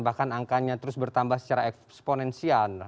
bahkan angkanya terus bertambah secara eksponensial